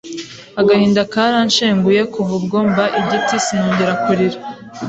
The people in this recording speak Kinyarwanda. Agahinda karanshenguye kuva ubwo mba igiti sinongera kurira